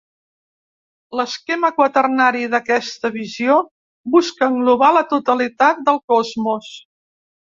L'esquema quaternari d'aquesta visió busca englobar la totalitat del cosmos.